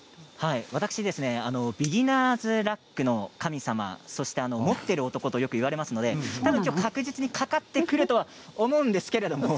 ビギナーズラックの神様そして持ってる男とよく言われますのできょう確実に掛かってくるとは思うんですけれど。